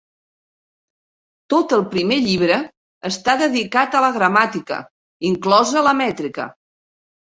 Tot el primer llibre està dedicat a la gramàtica, inclosa la mètrica.